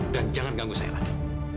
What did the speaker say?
dan jangan ganggu saya lagi